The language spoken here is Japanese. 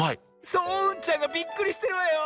そううんちゃんがびっくりしてるわよ。